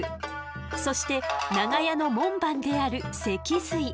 そして長屋の門番である脊髄。